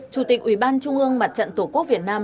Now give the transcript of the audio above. chủ tịch ủy ban trung ương mặt trận tổ quốc việt nam